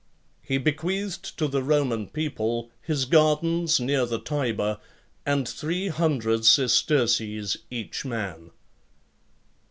Be bequeathed to the Roman people his gardens near the Tiber, and three hundred sesterces each man.